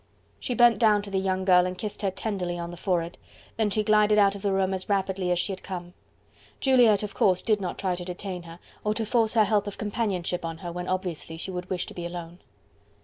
She bent down to the young girl and kissed her tenderly on the forehead, then she glided out of the room as rapidly as she had come. Juliette, of course, did not try to detain her, or to force her help of companionship on her when obviously she would wish to be alone.